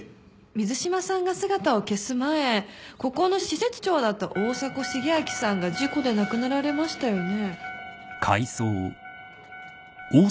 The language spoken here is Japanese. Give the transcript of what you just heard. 水島さんが姿を消す前ここの施設長だった大迫重明さんが事故で亡くなられましたよね？